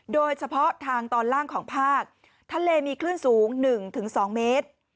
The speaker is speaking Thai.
โดยเฉพาะทางตอนล่างของภาคทะเลมีคลื่นสูง๑๒เมตร